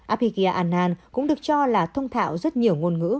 abhidhya anand cũng được cho là thông thạo rất nhiều ngôn ngữ